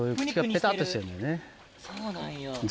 そうなんや。